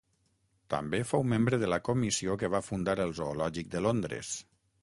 També fou membre de la comissió que va fundar el Zoològic de Londres.